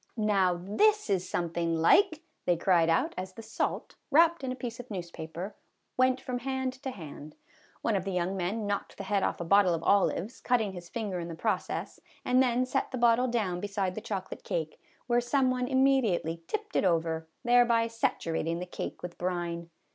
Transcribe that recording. " Now this is something like !" they cried out, as the salt, wrapped in a piece of newspaper, went from hand to hand. One of the young men knocked the head off a bottle of olives, cutting his finger in the process, and then set the bottle down beside the chocolate cake, where some one immediately 154 MRS HUDSON'S PICNIC. tipped it over, thereby saturating the cake with brine.